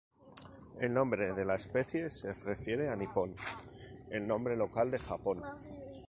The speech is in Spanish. El nombre de la especie se refiere a Nippon, el nombre local de Japón.